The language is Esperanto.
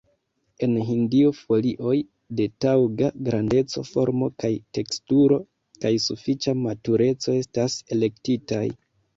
En Hindio, folioj de taŭga grandeco, formo kaj teksturo, kaj sufiĉa matureco estas elektitaj.